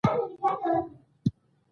بد دود د ټټولني پر پرمختګ منفي اغېز کوي.